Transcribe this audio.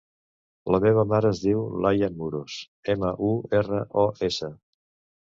La meva mare es diu Layan Muros: ema, u, erra, o, essa.